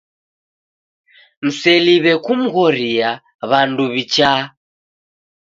Mseliwe kumghoria W'andu wichaa.